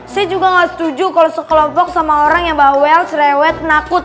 saya juga gak setuju kalau sekelompok sama orang yang bawel cerewet nakut